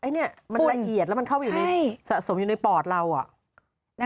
อันนี้มันละเอียดแล้วมันเข้าไปสะสมอยู่ในปอดเราอ่ะ